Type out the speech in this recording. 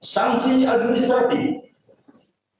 dua sanksi administratif